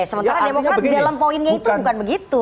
sementara demokrat dalam poinnya itu bukan begitu